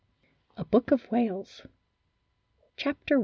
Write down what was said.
A BOOK OF WHALES CHAPTER I.